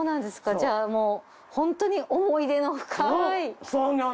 じゃあもうホントに思い出の深い。